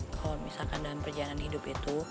kalau misalkan dalam perjalanan hidup itu